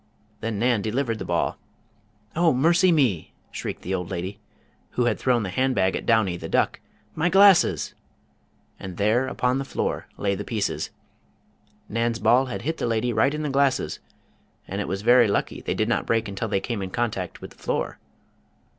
Then Nan delivered the ball. "Oh, mercy me!" shrieked the old lady, who had thrown the handbag at Downy, the duck, "my glasses!" and there, upon the floor, lay the pieces. Nan's ball had hit the lady right in the glasses, and it was very lucky they did not break until they came in contact with the floor.